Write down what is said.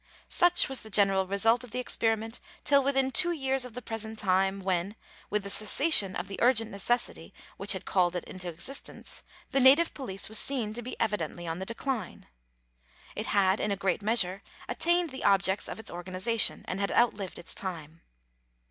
Such was the general result of the experiment till within two years of the present time, when, with the cessation of the urgent necessity which had called it into existence, the native police was seen to be evidently on the decline. It had, in a great measure, attained the objects of its organization, and had outlived its time.